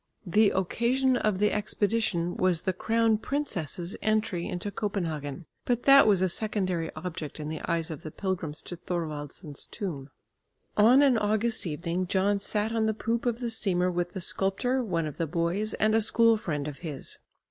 The occasion of the expedition was the crown princess's entry into Copenhagen, but that was a secondary object in the eyes of the pilgrims to Thorwaldsen's tomb. On an August evening John sat on the poop of the steamer with the sculptor, one of the boys and a school friend of his.